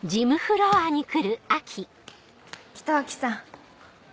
北脇さん。